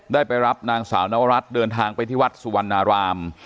ไปรับนางสาวนวรัฐเดินทางไปที่วัดสุวรรณาราม